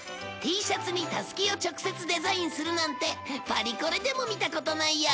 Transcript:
Ｔシャツにたすきを直接デザインするなんてパリコレでも見たことないよ。